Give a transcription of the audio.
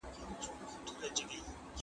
هغه پوهان چي په اقتصاد پوهېږي، پلانونه جوړوي.